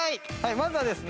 まずはですね